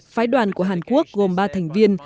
phái đoàn của hàn quốc gồm ba thành viên